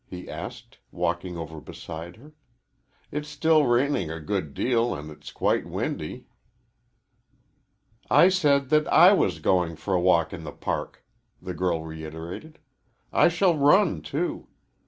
he asked, walking over beside her. "It's still raining a good deal, and it's quite windy." "I said that I was going for a walk in the Park," the girl reiterated. "I shall run, too.